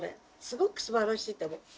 すごくすばらしいと思う。